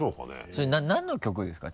それ何の曲ですか？